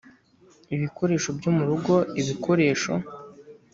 ibikoresho byo mu rugo ibikoresho